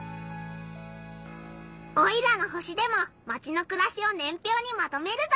オイラの星でもマチのくらしを年表にまとめるぞ！